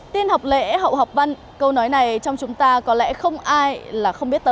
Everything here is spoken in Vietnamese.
tiên học lễ hậu học văn câu nói này trong chúng ta có lẽ không ai là không biết tới